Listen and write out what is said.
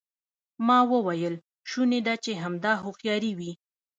ما وویل شونې ده چې همدا هوښیاري وي.